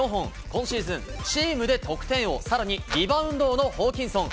今シーズン、チームで得点王、さらにリバウンド王のホーキンソン。